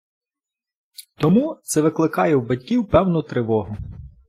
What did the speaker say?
Тому це викликає в батьків певну тривогу.